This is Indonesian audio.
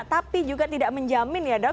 tapi juga tidak menjamin ya dok